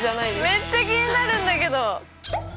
めっちゃ気になるんだけど。